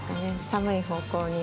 寒い方向に。